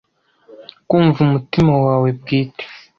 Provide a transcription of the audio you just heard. kumva umutima wawe bwite